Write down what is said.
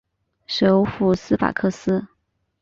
首府斯法克斯。